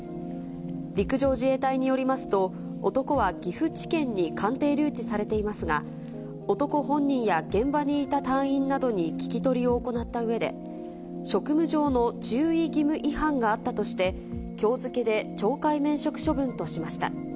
陸上自衛隊によりますと、男は岐阜地検に鑑定留置されていますが、男本人や現場にいた隊員などに聞き取りを行ったうえで、職務上の注意義務違反があったとして、きょう付けで、懲戒免職処分としました。